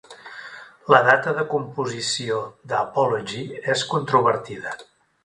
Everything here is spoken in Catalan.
La data de composició d'"Apology" és controvertida.